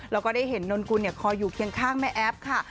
แล้วก็ได้เห็นนนกุลคอยอยู่เคียงข้างแม่แอฟค่ะ